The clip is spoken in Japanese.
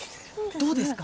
どうですか？